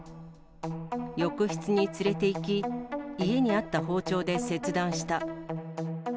浴室に連れていき、家にあった包丁で切断した。